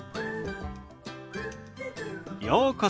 ようこそ。